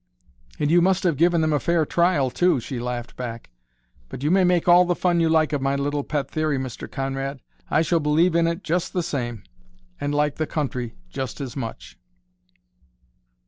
"And you must have given them a fair trial, too!" she laughed back. "But you may make all the fun you like of my little pet theory, Mr. Conrad. I shall believe in it just the same, and like the country just as much."